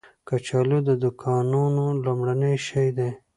کچالو د دوکانونو لومړنی شی وي